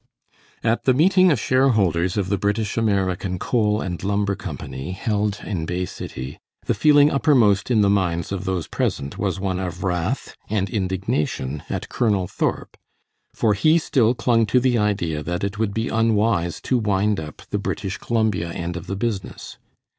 At the meeting of share holders of the British American Coal and Lumber Company, held in Bay City, the feeling uppermost in the minds of those present was one of wrath and indignation at Colonel Thorp, for he still clung to the idea that it would be unwise to wind up the British Columbia end of the business.